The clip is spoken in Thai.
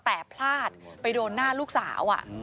แต่พลาดไปโดนหน้าลูกสาว